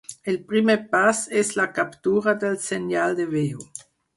El primer pas és la captura del senyal de veu.